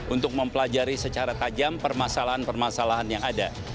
untuk mempelajari secara tajam permasalahan permasalahan yang ada